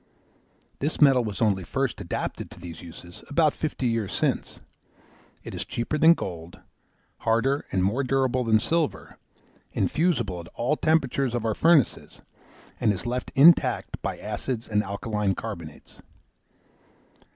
This metal was only first adapted to these uses about fifty years since. It is cheaper than gold, harder and more durable than silver, infusible at all temperatures of our furnaces, and is left intact by acids and alkaline carbonates.